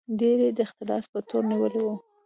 ډېر یې د اختلاس په تور نیولي وو.